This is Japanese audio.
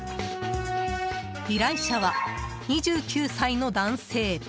依頼者は、２９歳の男性。